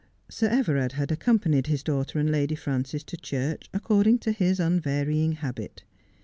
Sir Everard had accompanied his daughter and Lady Frances to church according to his unvarying habit.